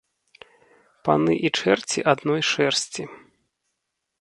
Паны і чэрці адной шэрсці